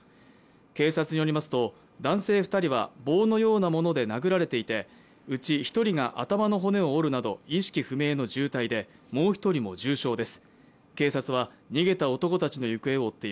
警察によりますと、男性２人は棒のようなもので殴られていてうち１人が頭の骨を折るなど意識不明の重体で、もう一人も重症です。